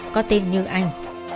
có tên như anh